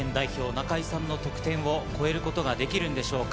中井さんの得点を超えることができるでしょうか？